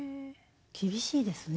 厳しいですね。